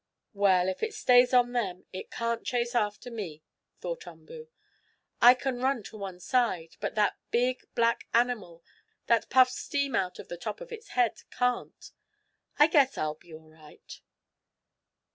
"Well, if it stays on them it can't chase after me," thought Umboo. "I can run to one side, but that big, black animal, that puffs steam out of the top of its head, can't. I guess I'll be all right."